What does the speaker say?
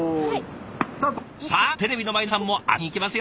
さあテレビの前の皆さんも当てにいきますよ！